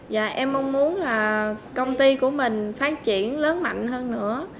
và em mong muốn là công ty của mình phát triển lớn mạnh hơn nữa